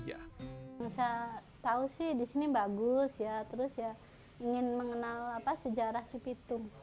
saya tahu sih di sini bagus ya terus ingin mengenal sejarah si pitung